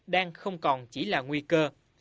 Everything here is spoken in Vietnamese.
đang không còn chỉ là nguy cơ